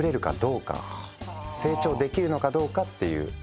成長できるのかどうかっていう。